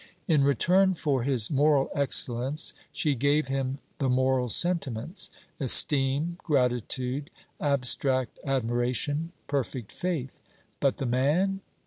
In return for his moral excellence, she gave him the moral sentiments: esteem, gratitude, abstract admiration, perfect faith. But the man?